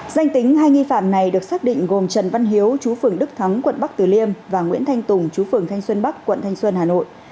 danh tính hai nghi phạm này được xác định gồm trần văn hiếu chú phường đức thắng quận bắc tử liêm và nguyễn thanh tùng chú phường thanh xuân bắc quận thanh xuân hà nội